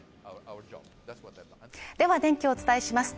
お天気をお伝えします